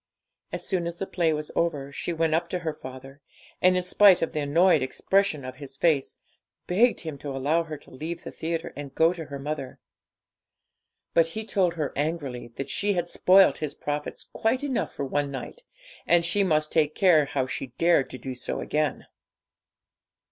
As soon as the play was over, she went up to her father, and, in spite of the annoyed expression of his face, begged him to allow her to leave the theatre and to go to her mother. But he told her angrily that she had spoilt his profits quite enough for one night, and she must take care how she dared to do so again.